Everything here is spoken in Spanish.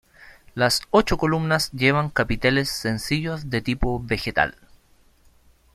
Las ocho columnas llevan capiteles sencillos de tipo vegetal.